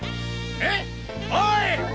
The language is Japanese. えっおい！